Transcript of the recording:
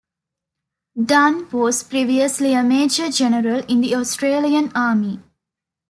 Dunn was previously a major general in the Australian Army.